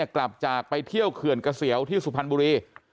กลับจากไปเที่ยวเขื่อนเกษียวที่สุพรรณบุรี